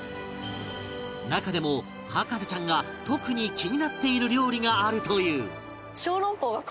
中でも博士ちゃんが特に気になっている料理があるという